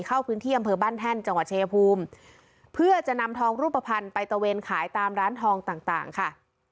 เข้าพื้นที่อำเภอบ้านแท่นจังหวัดชายภูมิเพื่อจะนำทองรูปภัณฑ์ไปตะเวนขายตามร้านทองต่างต่างค่ะ